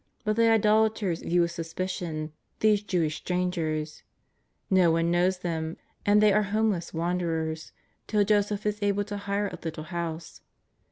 But 84 JESUS OF NAZARETH. the idolaters view with suspicion these Jewish stran gers; no one knows them, and they are homeless wan derers till Joseph is able to hire a little house.